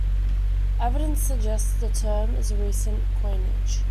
Evidence suggests the term is a recent coinage.